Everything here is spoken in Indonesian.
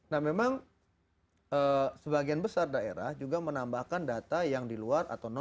nah memang sebagian besar daerah juga menambahkan data yang diluar atau non dtks